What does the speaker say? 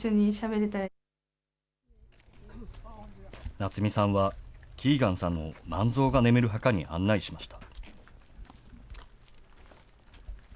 夏望さんはキーガンさんを萬蔵が眠る墓に案内しました。